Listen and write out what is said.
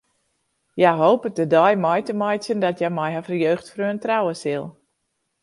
Hja hopet de dei mei te meitsjen dat hja mei har jeugdfreon trouwe sil.